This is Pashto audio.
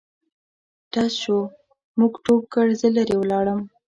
ډز شو موږ ټوپ کړ زه لیري لاړم.